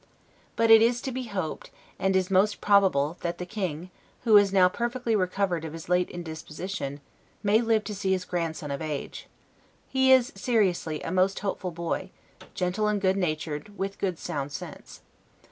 But it is to be hoped, and is most probable, that the King, who is now perfectly recovered of his late indisposition, may live to see his grandson of age. He is, seriously, a most hopeful boy: gentle and good natured, with good sound sense.